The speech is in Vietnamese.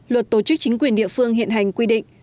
luật tổ chức chính quyền địa phương hiện hành quy định